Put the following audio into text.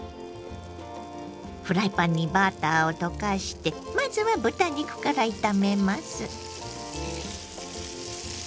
フライパンにバターを溶かしてまずは豚肉から炒めます。